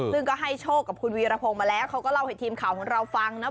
ซึ่งก็ให้โชคกับคุณวีรพงศ์มาแล้วเขาก็เล่าให้ทีมข่าวของเราฟังนะ